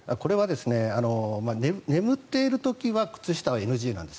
眠っている時は靴下はＮＧなんです。